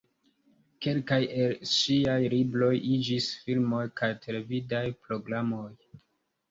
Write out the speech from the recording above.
Kelkaj el ŝiaj libroj iĝis filmoj kaj televidaj programoj.